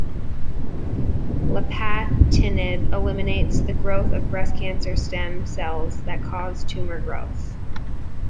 Lapatinib eliminates the growth of breast cancer stem cells that cause tumor growth.